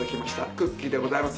クッキーでございます。